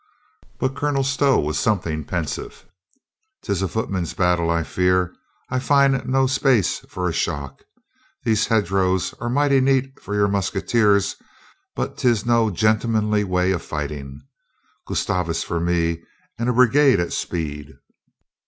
But Colonel Stow was something pensive. " 'Tis a footman's battle, I fear. I find no space for a shock. These hedge rows are mighty neat for your musketeers, but 'tis no gentlemanly way of fighting. Gustavus for me, and a brigade at speed."